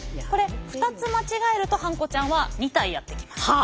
これ２つ間違えるとハンコちゃんは２体やって来ます。